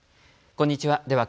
こんにちは。